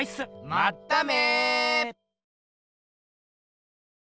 まっため！